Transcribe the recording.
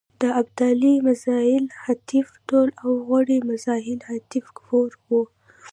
د ابدالي میزایل حتف ټو او غوري مزایل حتف فور و.